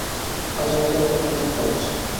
আজ আমাদের হাতে অনেক কাজ।